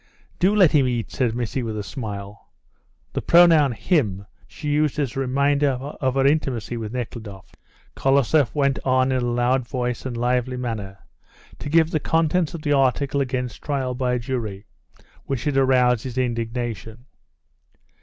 "Do let him eat," said Missy, with a smile. The pronoun him she used as a reminder of her intimacy with Nekhludoff. Kolosoff went on in a loud voice and lively manner to give the contents of the article against trial by jury which had aroused his indignation.